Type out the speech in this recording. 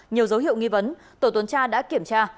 nhiều dấu hiệu nghi vấn tổ tuần tra đã kiểm tra